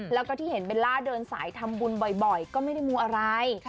แล้วก็ที่เห็นเบลล่าเดินสายทำบุญบ่อยก็ไม่ได้มูอะไร